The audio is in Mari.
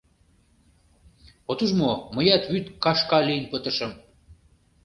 — От уж мо, мыят вӱд кашка лийын пытышым!